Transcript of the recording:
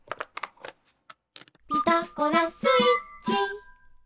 「ピタゴラスイッチ」